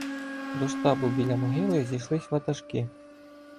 До штабу, біля могили, зійшлися ватажки.